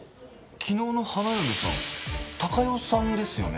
昨日の花嫁さん貴代さんですよね。